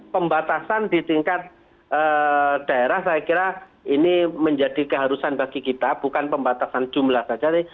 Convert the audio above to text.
pembatasan di tingkat daerah saya kira ini menjadi keharusan bagi kita bukan pembatasan jumlah saja